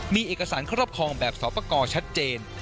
มีเอกสารครอบครองแบบสอบประกอบชัดเจน